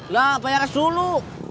lah bayar dulu